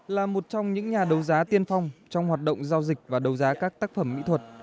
là một trong những nhà đấu giá tiên phong trong hoạt động giao dịch và đấu giá các tác phẩm mỹ thuật